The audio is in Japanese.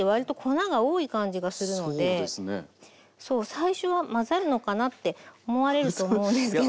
最初は「混ざるのかな？」って思われると思うんですけど。